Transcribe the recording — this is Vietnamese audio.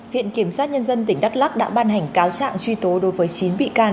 viện kiểm sát nhân dân tỉnh đắk lắc đã ban hành cáo trạng truy tố đối với chín bị can